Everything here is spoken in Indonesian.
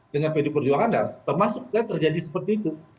dengan pd perjuangan nas termasuk terjadi seperti itu